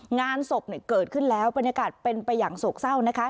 งานศพเกิดขึ้นแล้วบรรยากาศเป็นไปอย่างโศกเศร้านะคะ